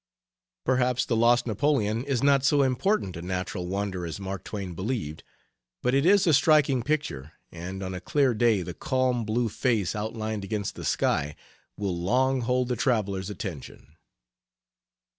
Perhaps the Lost Napoleon is not so important a natural wonder as Mark Twain believed, but it is a striking picture, and on a clear day the calm blue face outlined against the sky will long hold the traveler's attention.